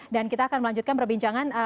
dan kita akan melanjutkan perbincangan